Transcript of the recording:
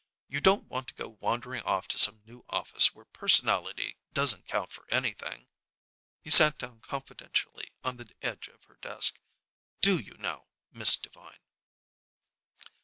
You don't want to go wandering off to some new office where personality doesn't count for anything." He sat down confidentially on the edge of her desk. "Do you, now, Miss Devine?"